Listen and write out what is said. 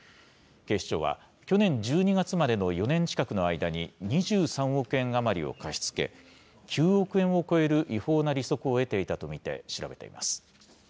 警視庁は、去年１２月までの４年近くの間に、２３億円余りを貸し付け、９億円を超える違法な利息を得ていたと見て調べています。